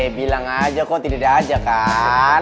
eh bilang aja kok tidak ada aja kan